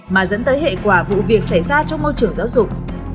mà dẫn tới hệ quả vụ việc xảy ra trong môi trường giáo dục